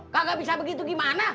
gak bisa begitu gimana